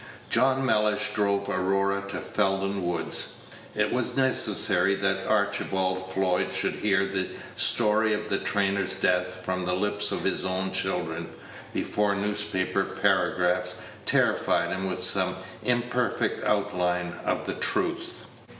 John Mellish drove Aurora to Felden Woods. It was necessary that Archibald Floyd should hear the story of the trainer's death from the lips of his own children, before newspaper paragraphs terrified him with some imperfect outline of the truth.